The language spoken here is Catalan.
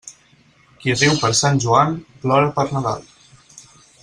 Qui riu per Sant Joan, plora per Nadal.